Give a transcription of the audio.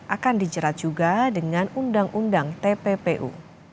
akan dijerat juga dengan undang undang tppu